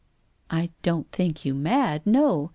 ' I don't think you mad, no